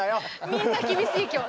みんな厳しい今日。